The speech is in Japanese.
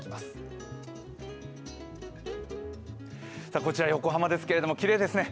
こちら、横浜ですけれどきれいですね。